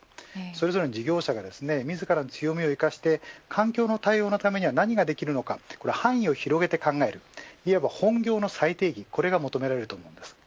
それぞれの事業者が自らの強みを生かして環境の対応のために何ができるのかという範囲を広げて考えるいわば本業の再定義が求められます。